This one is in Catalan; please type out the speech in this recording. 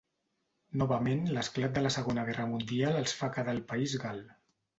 Novament l'esclat de la Segona Guerra Mundial els fa quedar al país gal.